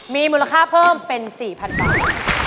มีมูลค่าเพิ่มเป็น๔๐๐๐บาท